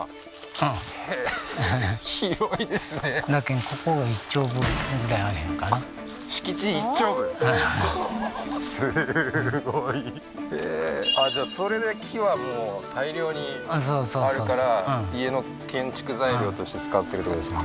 はいはいすごいへえーじゃあそれで木はもう大量にあるから家の建築材料として使ってるってことですか？